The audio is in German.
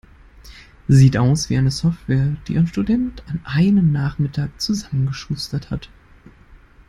Sieht aus wie eine Software, die ein Student an einem Nachmittag zusammengeschustert hat.